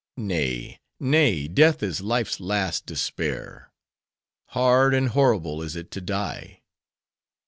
Nay, nay, Death is Life's last despair. Hard and horrible is it to die.